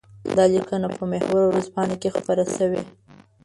دا لیکنه په محور ورځپاڼه کې خپره شوې.